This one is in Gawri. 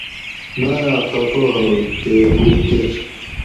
نایاک خفہ ھوگ تے ھُب کر